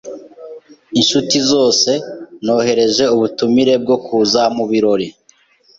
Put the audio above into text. Inshuti zose nohereje ubutumire bwo kuza mubirori.